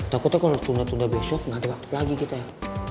takutnya kalau tunda tunda besok nggak ada waktu lagi kita ya